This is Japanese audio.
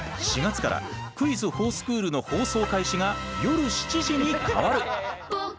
４月から「クイズほぉスクール」の放送開始が夜７時に変わる。